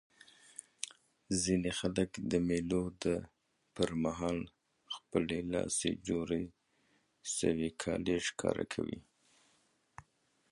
ځيني خلک د مېلو پر مهال خپلي لاسي جوړ سوي کالي ښکاره کوي.